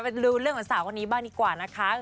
ไปดูเรื่องของสาวคนนี้บ้างดีกว่านะคะ